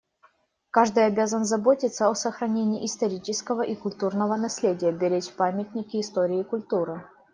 Каждый обязан заботиться о сохранении исторического и культурного наследия, беречь памятники истории и культуры.